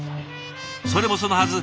それもそのはず